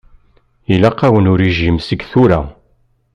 Ilaq-awen urijim seg tura.